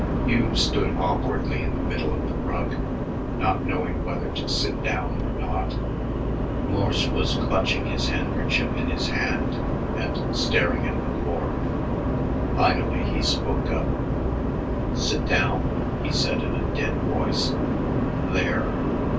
Hugh stood awkwardly in the middle of the rug, not knowing whether to sit down or not. Morse was clutching his handkerchief in his hand and staring at the floor. Finally he spoke up. "Sit down," he said in a dead voice, "there."